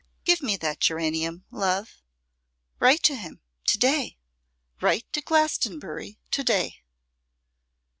Give me that geranium, love. Write to him, to day; write to Glastonbury to day.